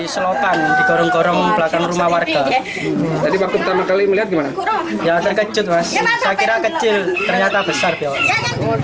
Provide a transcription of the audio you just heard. saya kira kecil ternyata besar biayanya